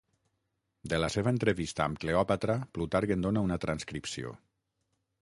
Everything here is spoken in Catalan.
De la seva entrevista amb Cleòpatra, Plutarc en dona una transcripció.